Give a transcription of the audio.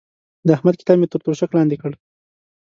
د احمد کتاب مې تر توشک لاندې کړ.